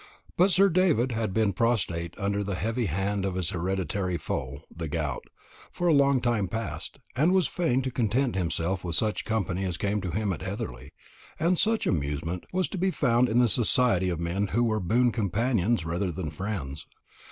But Sir David had been prostrate under the heavy hand of his hereditary foe, the gout, for a long time past; and was fain to content himself with such company as came to him at Heatherly, and such amusement as was to be found in the society of men who were boon companions rather than friends.